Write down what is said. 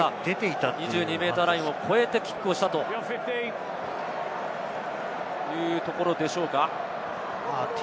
２２ｍラインを超えたキックをしたというところでしょうか。